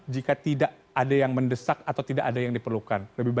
dua januari dua ribu dua puluh tiga